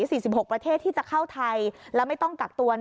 สี่สิบหกประเทศที่จะเข้าไทยแล้วไม่ต้องกักตัว